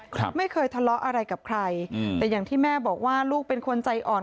ครับไม่เคยทะเลาะอะไรกับใครอืมแต่อย่างที่แม่บอกว่าลูกเป็นคนใจอ่อน